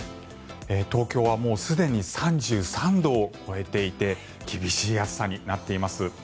東京はもうすでに３３度を超えていて厳しい暑さになっています。